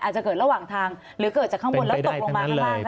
อาจจะเกิดระหว่างทางหรือเกิดจากข้างบนแล้วตกลงมาข้างล่าง